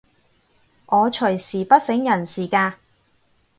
我隨時不省人事㗎